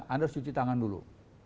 anda cuci tangan dulu